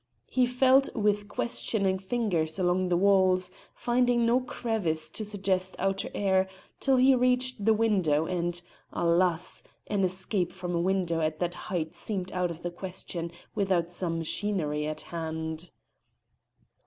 He felt with questioning fingers along the walls, finding no crevice to suggest outer air till he reached the window, and, alas! an escape from a window at that height seemed out of the question without some machinery at hand.